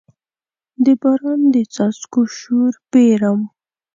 د باران د څاڅکو شور پیرم